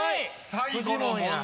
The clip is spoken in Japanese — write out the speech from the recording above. ［最後の問題